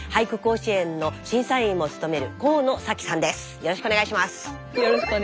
よろしくお願いします。